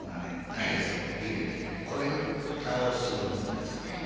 大豆を入れてこれに、ふたをするんです。